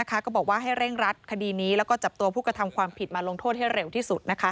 ก็บอกว่าให้เร่งรัดคดีนี้แล้วก็จับตัวผู้กระทำความผิดมาลงโทษให้เร็วที่สุด